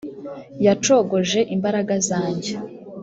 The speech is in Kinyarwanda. yacogoje imbaraga zanjye